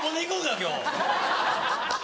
今日。